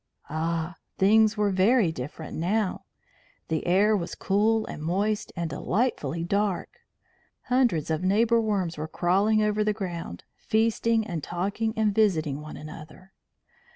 Ah! things were very different now! The air was cool and moist, and delightfully dark; hundreds of neighbour worms were crawling over the ground, feasting and talking and visiting one another.